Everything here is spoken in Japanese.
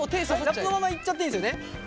ラップのままいっちゃっていいですよね。